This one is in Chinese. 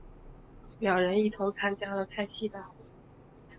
两人一同参加了开西大会。